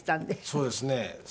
そうですね。